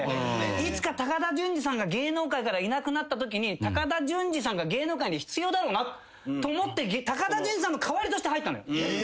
いつか高田純次さんが芸能界からいなくなったときに高田純次さんが芸能界に必要だろうなと思って高田純次さんの代わりとして入ったの。